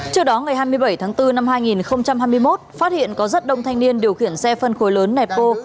trước đó ngày hai mươi bảy tháng bốn năm hai nghìn hai mươi một phát hiện có rất đông thanh niên điều khiển xe phân khối lớn nẹp bô